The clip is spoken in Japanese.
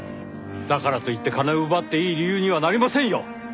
だからといって金を奪っていい理由にはなりませんよ！